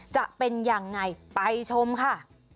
จะเป็นยังไงไปชมค่ะ